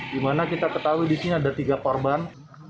dimana kita ketahui disini ada tiga korban